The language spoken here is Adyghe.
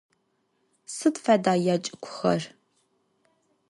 Сыд фэда ячӏыгухэр?